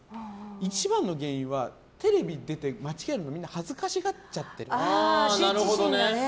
一番の原因は、テレビに出てクイズに間違えるのをみんな恥ずかしがっちゃって。